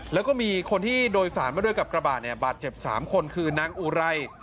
แล้วก็มีคนที่โดยสารมาด้วยกับกระบาดเนี่ยบาดเจ็บ๓คนคือนางอุไร